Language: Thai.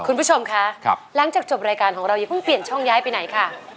คุณผู้ชมคะหลังจากจบรายการของเราอย่าเพิ่งเปลี่ยนช่องย้ายไปไหนค่ะ